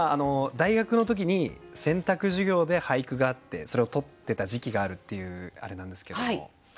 大学の時に選択授業で俳句があってそれをとってた時期があるっていうあれなんですけれども。